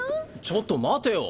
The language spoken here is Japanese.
ちょっと待てよ。